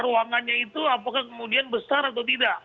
ruangannya itu apakah kemudian besar atau tidak